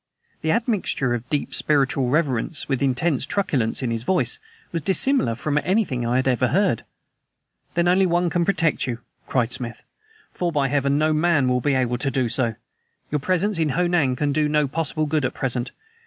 The admixture of deep spiritual reverence with intense truculence in his voice was dissimilar from anything I ever had heard. "Then only One can protect you," cried Smith, "for, by Heaven, no MAN will be able to do so! Your presence in Ho Nan can do no possible good at present.